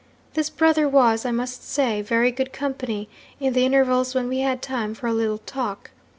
This brother was, I must say, very good company, in the intervals when we had time for a little talk.